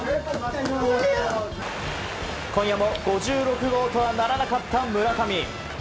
今夜も５６号とはならなかった村上。